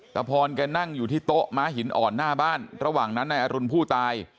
ตะพรแกนั่งอยู่ที่โต๊ะม้าหินอ่อนหน้าบ้านระหว่างนั้นนายอรุณผู้ตาย